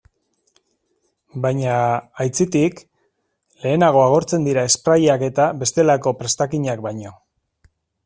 Baina, aitzitik, lehenago agortzen dira sprayak eta bestelako prestakinak baino.